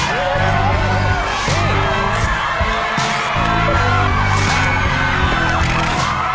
อีสี่ใบทุกนัก